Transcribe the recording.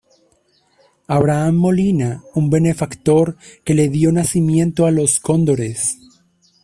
Abraham Molina, un benefactor que le dio nacimiento a Los Cóndores.